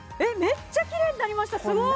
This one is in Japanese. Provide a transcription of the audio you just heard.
めっちゃきれいになりましたすごい！